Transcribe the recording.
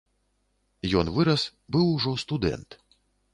Ён вырас, быў ужо студэнт.